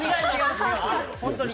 本当に！